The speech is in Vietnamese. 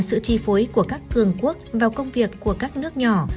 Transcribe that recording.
sự chi phối của các cường quốc vào công việc của các nước nhỏ